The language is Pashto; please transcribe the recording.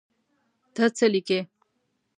ته څه لیکې.